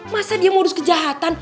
masa dia modus kejahatan